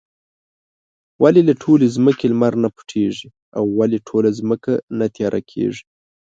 ولې له ټولې ځمکې لمر نۀ پټيږي؟ او ولې ټوله ځمکه نه تياره کيږي؟